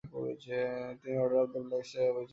তিনি order of the black স্টারের officer নিযক্ত হন।